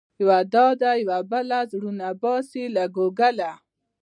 یوه دا ده يوه بله، زړونه باسې له ګوګله